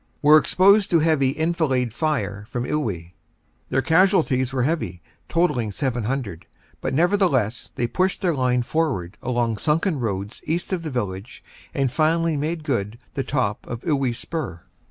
were exposed to heavy enfilade fire from Iwuy. Their casual ties were heavy, totalling 700, but nevertheless they pushed their line forward along sunken roads east of the village and finally made good the top of Iwuy Spur.